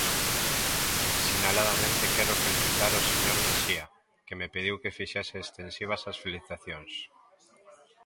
Sinaladamente quero felicitar o señor Mexía, que me pediu que fixese extensivas as felicitacións.